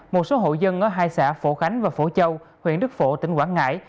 một số hộ dân ở hai xã phổ khánh và phổ châu huyện đức phổ tỉnh quảng ngãi